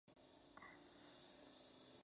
Por tanto no puede ser visitada actualmente.